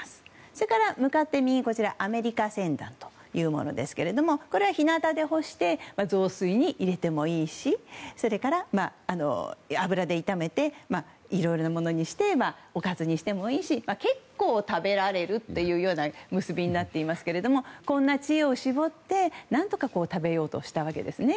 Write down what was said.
それから、向かって右こちらはアメリカセンダンというものですがこれは日向で干して雑炊に入れてもいいしそれから油で炒めていろいろなものにしておかずにしてもいいし結構、食べられるというような結びになっていますけれどもこんな知恵を絞って何とか食べようとしたわけですね。